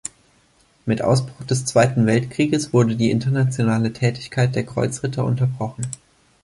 Mit Ausbruch des Zweiten Weltkrieges wurde die internationale Tätigkeit der »Kreuzritter« unterbrochen.